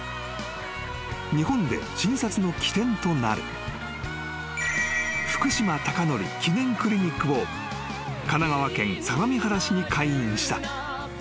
［日本で診察の起点となる福島孝徳記念クリニックを神奈川県相模原市に開院した］